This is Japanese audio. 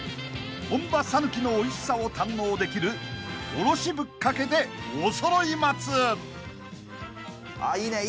［本場讃岐のおいしさを堪能できるおろしぶっかけでおそろい松］いいね。